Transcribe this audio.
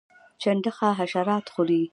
چنډخه حشرات خوري